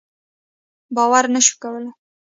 باور نه شو کولای.